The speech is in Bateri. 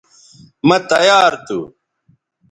مہ تیار تھو